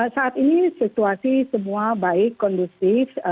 saat ini situasi semua baik kondusif